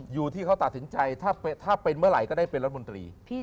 อยู่ที่เขาตัดสินใจถ้าเป็นเมื่อไหร่ก็ได้เป็นรัฐมนตรี